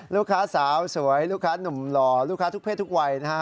ลูกค้าสาวสวยลูกค้านุ่มหล่อลูกค้าทุกเพศทุกวัยนะฮะ